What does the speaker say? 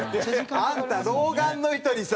あんた老眼の人にさ！